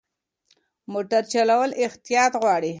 موټر چلول احتیاط غواړي.